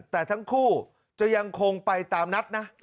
แต่ทั้งคู่จะยังคงไปตามนัดนะ